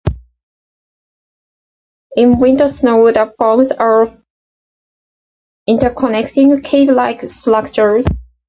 In winter snow, the forms are interconnecting, cave-like structures.